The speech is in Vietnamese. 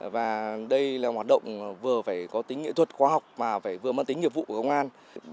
và đây là hoạt động vừa phải có tính nghệ thuật khoa học mà phải vừa mang tính nghiệp vụ của công an